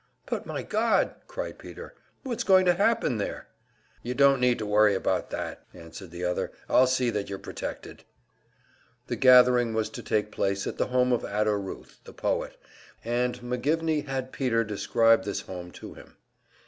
"But, my God!" cried Peter. "What's going to happen there?" "You don't need to worry about that," answered the other. "I'll see that you're protected." The gathering was to take place at the home of Ada Ruth, the poetess, and McGivney had Peter describe this home to him.